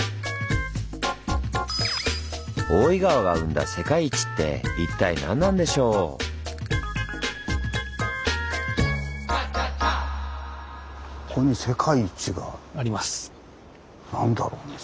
大井川が生んだ「世界一」って一体何なんでしょう？あります。